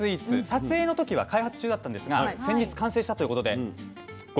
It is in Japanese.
撮影の時は開発中だったんですが先日完成したということでご用意しました。